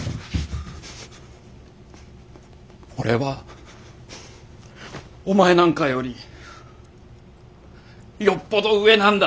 俺はお前なんかよりよっぽど上なんだ。